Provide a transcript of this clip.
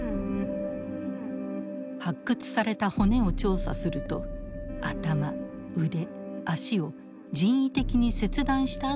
発掘された骨を調査すると頭腕脚を人為的に切断した痕が見つかりました。